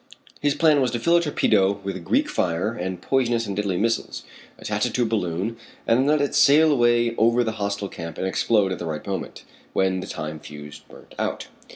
His plan was to fill a torpedo with Greek fire and poisonous and deadly missiles, attach it to a balloon, and then let it sail away over the hostile camp and explode at the right moment, when the time fuse burned out.